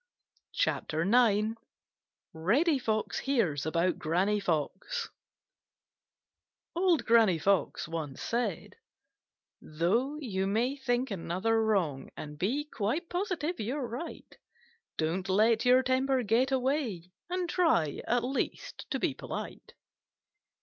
CHAPTER IX Reddy Fox Hears About Granny Fox Though you may think another wrong And be quite positive you're right, Don't let your temper get away; And try at least to be polite.